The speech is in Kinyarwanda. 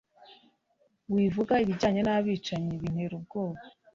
wivuga ibijyanye n'abicanyi bintera ubwoba